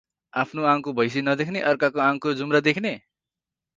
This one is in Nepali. आफ्नो आङ्ग्को भैसी नदेख्ने अर्का को अङ्गको जुम्रा देखने